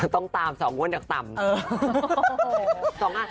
ต้องตามสองวัดอย่างต่ำ